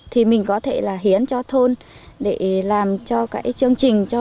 thì mình có thể hiến cho thôn để làm cho chương trình